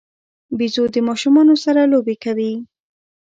بيزو د ماشومانو سره لوبې کوي.